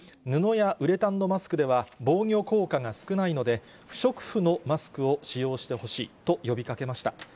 布やウレタンのマスクでは防御効果が少ないので、不織布のマスクを使用してほしいと呼びかけました。